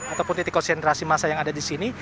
ataupun titik konsentrasi masa yang ada di sini